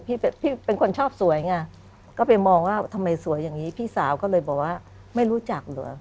พี่เป็นคนชอบสวยไงก็ไปมองว่าทำไมสวยอย่างนี้พี่สาวก็เลยบอกว่าไม่รู้จักเหรอ